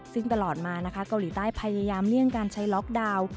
ซึ่งตลอดมานะคะเกาหลีใต้พยายามเลี่ยงการใช้ล็อกดาวน์